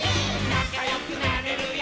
「なかよくなれるよ」